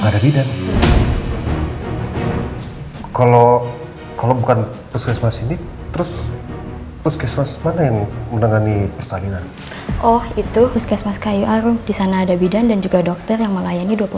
kalau kalau bukan terus terus terus oh itu disana ada bidan dan juga dokter yang melayani